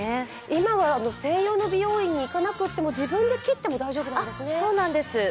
今は専用の美容院に行かなくても自分で切っても大丈夫なんですよね。